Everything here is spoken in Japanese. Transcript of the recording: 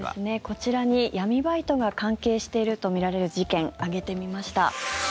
こちらに闇バイトが関係しているとみられる事件挙げてみました。